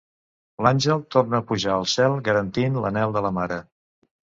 L'àngel torna a pujar al cel garantint l'anhel de la Mare.